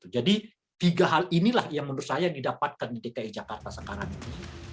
jadi tiga hal inilah yang menurut saya didapatkan di dki jakarta sekarang